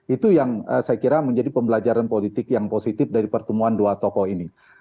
itu yang saya kira menjadi pembelajaran politik yang positif dari pertemuan dua tokoh ini